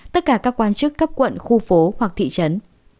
tất cả các quan chức cấp quận khu phố hoặc thị trấn